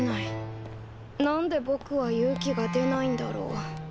なんでぼくは勇気が出ないんだろう。